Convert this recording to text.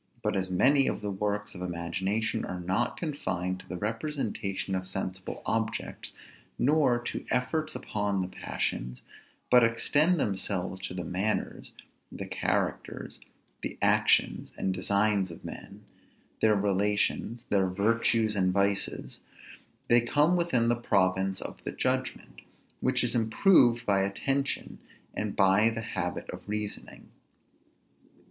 But as many of the works of imagination are not confined to the representation of sensible objects, nor to efforts upon the passions, but extend themselves to the manners, the characters, the actions, and designs of men, their relations, their virtues and vices, they come within the province of the judgment, which is improved by attention, and by the habit of reasoning.